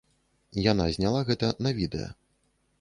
Яна зняла гэта на відэа.